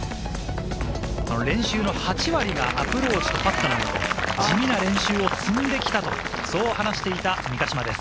練習の８割がアプローチとパット、地味な練習を積んできたと話していた三ヶ島です。